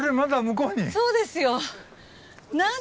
そうですよ。